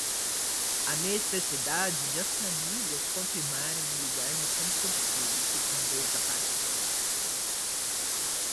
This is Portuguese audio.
A necessidade de as famílias confirmarem um lugar nos centros públicos desaparece.